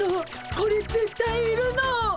これぜったいいるの！